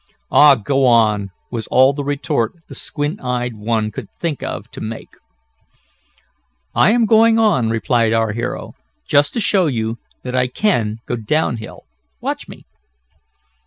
"Aw, go on!" was all the retort the squint eyed one could think of to make. "I am going on," replied our hero. "Just to show you that I can go down hill, watch me."